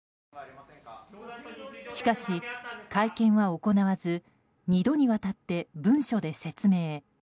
しかし、会見は行わず２度にわたって文書で説明。